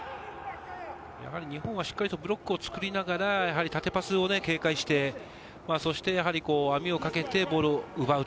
日本は、しっかりとブロックをつくりながら縦パスを警戒して、網をかけてボールを奪う。